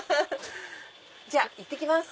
じゃあいってきます。